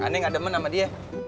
anaknya gak demen sama dia